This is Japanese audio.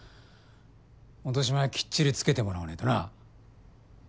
落とし前はきっちりつけてもらわねぇとな。